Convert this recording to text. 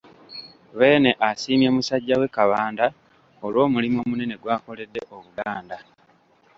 Beene asiimye musajja we Kabanda olw'omulimu omunene gw'akoledde Obuganda.